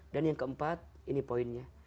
dan yang keempat ini poinnya